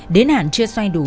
đến hẳn chưa xoay đủ